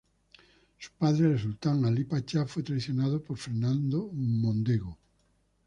Su padre, el sultán Alí Pacha fue traicionado por Fernando Mondego.